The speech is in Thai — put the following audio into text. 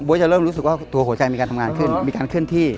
จะเริ่มรู้สึกว่าตัวหัวใจมีการทำงานขึ้นมีการเคลื่อนที่